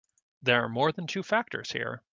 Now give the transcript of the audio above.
There are more than two factors here.